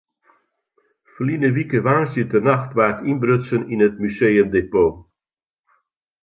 Ferline wike woansdeitenacht waard ynbrutsen yn it museumdepot.